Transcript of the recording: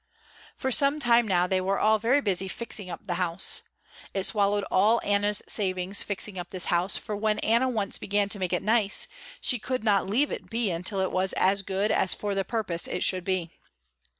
For some time now they were all very busy fixing up the house. It swallowed all Anna's savings fixing up this house, for when Anna once began to make it nice, she could not leave it be until it was as good as for the purpose it should be.